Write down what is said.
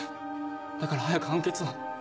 だから早く判決を。